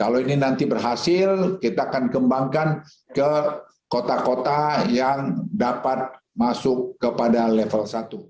kalau ini nanti berhasil kita akan kembangkan ke kota kota yang dapat masuk kepada level satu